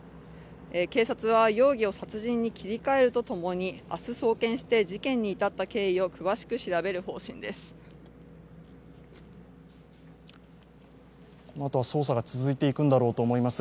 警察は容疑を殺人に切り替えるとともに明日送検して事件に至った経緯を詳しく調べる方針です。